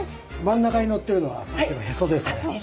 真ん中にのってるのはさっきのヘソですね。